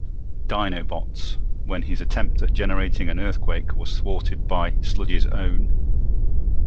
Dinobots" when his attempt at generating an earthquake was thwarted by Sludge's own.